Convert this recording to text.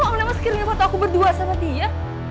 kok om lemos kirim foto aku berdua sama dia